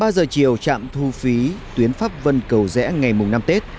ba giờ chiều trạm thu phí tuyến pháp vân cầu rẽ ngày năm tết